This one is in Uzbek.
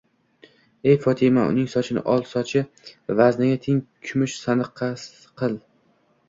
Ey Fotima, uning sochini ol, sochi vazniga teng kumush sadaqa qil.